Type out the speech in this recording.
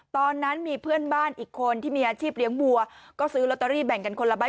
ตอนนั้นมีเพื่อนบ้านอีกคนที่มีอาชีพเลี้ยงบัวก็ซื้อลอตเตอรี่แบ่งกันคนละใบ